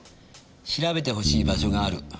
「調べてほしい場所がある。